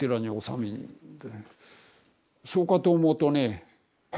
そうかと思うとね